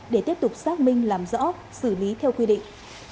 để tiếp tục xác minh làm rõ xử lý theo quy định